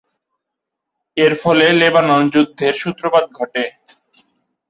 এরফলে লেবানন যুদ্ধের সূত্রপাত ঘটে।